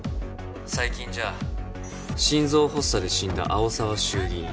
最近じゃ心臓発作で死んだ青沢議員